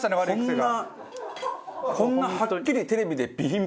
こんなはっきりテレビで備品